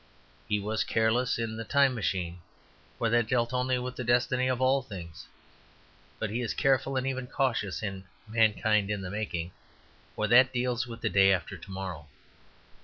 He was careless in "The Time Machine," for that dealt only with the destiny of all things; but he is careful, and even cautious, in "Mankind in the Making," for that deals with the day after to morrow.